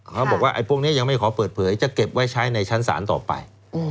เขาบอกว่าไอ้พวกนี้ยังไม่ขอเปิดเผยจะเก็บไว้ใช้ในชั้นศาลต่อไป